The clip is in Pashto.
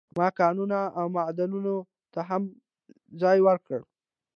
ما کانونو او معادنو ته هم ځای ورکړ.